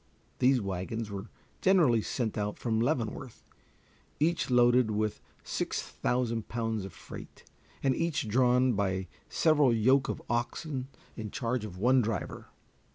These wagons were generally sent out from Leavenworth, each loaded with six thousand pounds of freight, and each drawn by several yoke of oxen in charge of one driver.